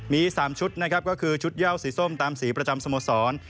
มี๓ชุดชุดเยี่ยวสีส้มตามสีประจำสมสรรค์